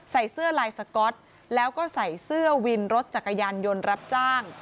ใส่เสื้อลายสก๊อตแล้วก็ใส่เสื้อวินรถจักรยานยนต์รับจ้าง